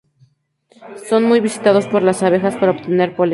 Son muy visitados por las abejas para obtener polen.